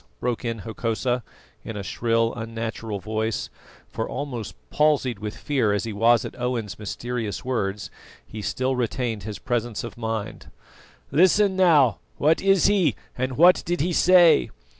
broke in Hokosa, in a shrill, unnatural voice; for almost palsied with fear as he was at Owen's mysterious words, he still retained his presence of mind. "Listen now: what is he, and what did he say?